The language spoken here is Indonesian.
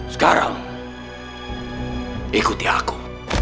sekarang ikuti aku